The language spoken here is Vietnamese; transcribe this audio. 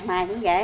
mài cũng dễ